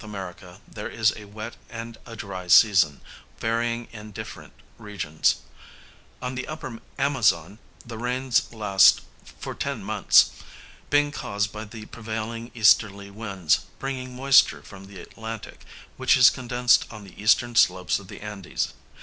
America there is a wet and a dry season, varying in different regions; on the upper Amazon the rains last for ten months, being caused by the prevailing easterly winds bringing moisture from the Atlantic, which is condensed on the eastern slopes of the Andes.